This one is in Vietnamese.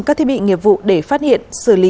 các thiết bị nghiệp vụ để phát hiện xử lý